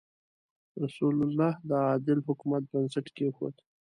رسول الله د عادل حکومت بنسټ کېښود.